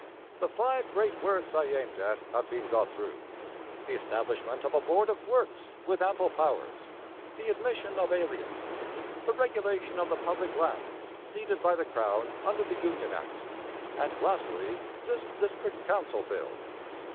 The five great works I aimed at have been got through: the establishment of a board of works with ample powers; the admission of aliens; the regulation of the public lands ceded by the Crown under the Union Act; and lastly this District Council Bill.'